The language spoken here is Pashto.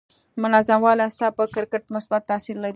منظم والی ستا پر کرکټر مثبت تاثير لري.